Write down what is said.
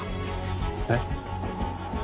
えっ？